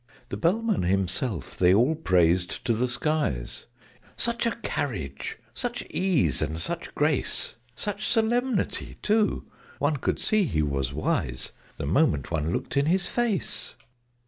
_ The Bellman himself they all praised to the skies Such a carriage, such ease and such grace! Such solemnity, too! One could see he was wise, The moment one looked in his face!